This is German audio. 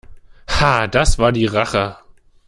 Ha, das war die Rache!